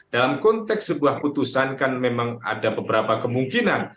dalam konteks sebuah putusan kan memang ada beberapa kemungkinan